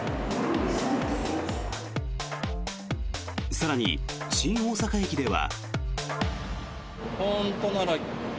更に新大阪駅では。